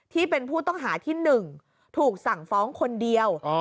ที่เป็นผู้ต้องหาที่๑ถูกสั่งฟ้องคนเดียว